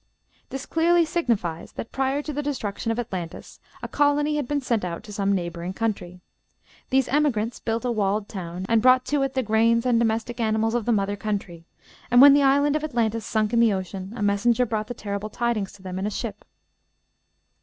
This clearly signifies that, prior to the destruction of Atlantis, a colony had been sent out to some neighboring country. These emigrants built a walled town, and brought to it the grains and domestic animals of the mother country; and when the island of Atlantis sunk in the ocean, a messenger brought the terrible tidings to them in a ship.